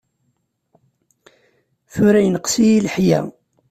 Tura yenqes-iyi leḥya.